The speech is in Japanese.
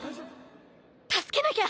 助けなきゃ！